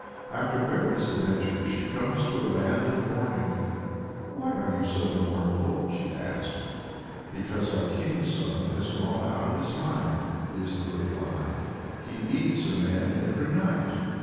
After various adventures she comes to a land of mourning. "Why are you so mournful?" she asks. "Because our king's son has gone out of his mind," is the reply. "He eats a man every night."